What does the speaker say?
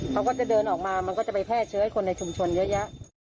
เขาก็จะเดินออกมามันก็จะไปแพร่เชื้อให้คนในชุมชนเยอะแยะ